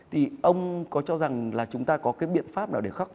thì ông có cho rằng là chúng ta có cái biện pháp nào để khắc